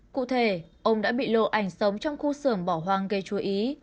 cụ thể ông đã bị lộ ảnh sống trong khu xưởng bỏ hoang gây chú ý